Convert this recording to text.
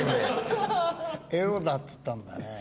「エロだ」っつったんだね。